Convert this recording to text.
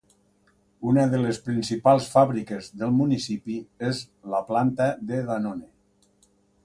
Una de les principals fàbriques del municipi és la planta de Danone.